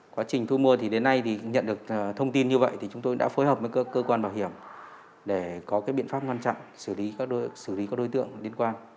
quá trình thu mua thì đến nay thì nhận được thông tin như vậy thì chúng tôi đã phối hợp với các cơ quan bảo hiểm để có biện pháp ngăn chặn xử lý các đối tượng liên quan